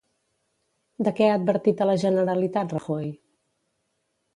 De què ha advertit a la Generalitat, Rajoy?